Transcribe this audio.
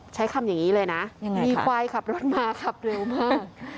ใช้คำอย่างนี้เลยนะยังไงมีควายขับรถมาขับเร็วมาก